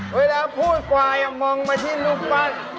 เวลาพูดควายมองมาที่รูปปั้น